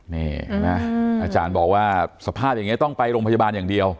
นี่เห็นไหมอาจารย์บอกว่าสภาพอย่างนี้ต้องไปโรงพยาบาลอย่างเดียว